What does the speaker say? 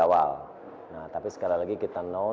saya sudah berbicara dengan beberapa orang di awal